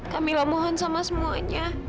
kamila mohon sama semuanya